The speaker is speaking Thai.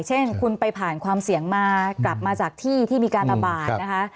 เช่นคุณไปผ่านความเสี่ยงมากลับมาจากที่ที่มีการระบาดนะคะ